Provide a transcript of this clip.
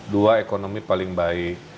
dua ekonomi paling baik